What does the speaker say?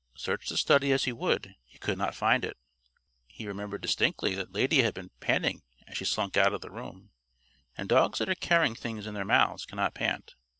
Search the study as he would, he could not find it. He remembered distinctly that Lady had been panting as she slunk out of the room. And dogs that are carrying things in their mouths cannot pant.